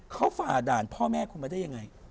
เขาฝ่าด่านพ่อแม่คุณมาได้ยังไง